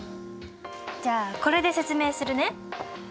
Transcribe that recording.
じゃあこれで説明するね。